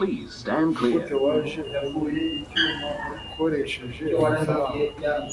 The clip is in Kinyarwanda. nigute waje ukoresheje amafaranga